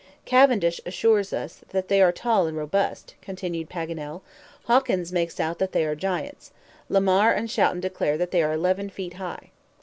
"Cavendish assures us that they are tall and robust," continued Paganel. "Hawkins makes out they are giants. Lemaire and Shouten declare that they are eleven feet high."